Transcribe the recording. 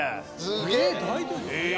すげえ！